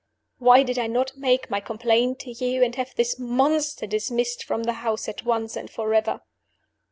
"Why did I not make my complaint to you, and have this monster dismissed from the house at once and forever?